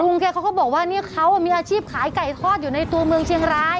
แกเขาก็บอกว่าเนี่ยเขามีอาชีพขายไก่ทอดอยู่ในตัวเมืองเชียงราย